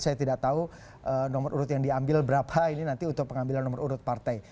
saya tidak tahu nomor urut yang diambil berapa ini nanti untuk pengambilan nomor urut partai